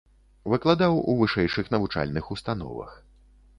Выкладаў у вышэйшых навучальных установах.